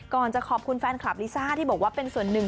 จะขอบคุณแฟนคลับลิซ่าที่บอกว่าเป็นส่วนหนึ่ง